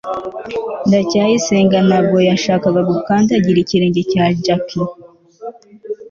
ndacyayisenga ntabwo yashakaga gukandagira ikirenge cya jaki